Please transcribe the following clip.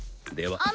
では。